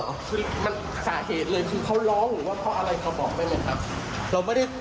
คือมันสาเหตุเลยคือเขาร้องหรือว่าเพราะอะไรพอบอกไปเลยครับ